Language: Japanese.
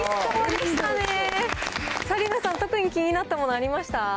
紗理奈さん、特に気になったものありました？